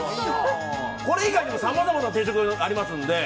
これ以外にもさまざまな定食ありますので。